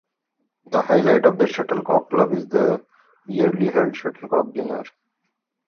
The highlight of the Shuttlecock Club is the yearly held Shuttlecock dinner.